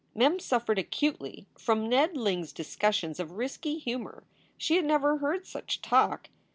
Mem suffered acutely from Ned Ling s discussions of risky humor. She had never heard such talk.